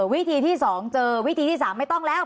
วิธีที่๒เจอวิธีที่๓ไม่ต้องแล้ว